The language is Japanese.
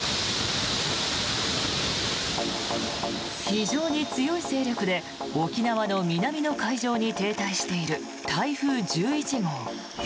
非常に強い勢力で沖縄の南の海上に停滞している台風１１号。